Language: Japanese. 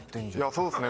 そうですね